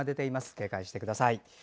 警戒してください。